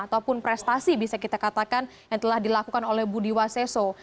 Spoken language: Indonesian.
ataupun prestasi bisa kita katakan yang telah dilakukan oleh budi waseso